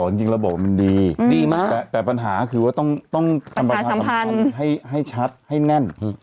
จริงจริงแล้วบอกว่ามันดีดีมากแต่ปัญหาคือว่าต้องต้องประชาสัมพันธ์ให้ให้ชัดให้แน่น